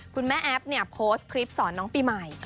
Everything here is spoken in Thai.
คุณแม่แอฟเนี่ยโพสต์คลิปสอนน้องปีใหม่